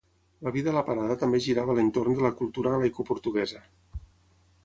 La vida a la parada també girava a l'entorn de la cultura galaicoportuguesa.